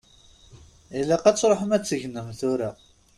Ilaq ad tṛuḥem ad tegnem tura.